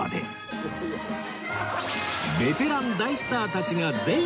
ベテラン大スターたちが全員集合！